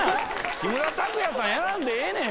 木村拓哉さんやらんでええねん！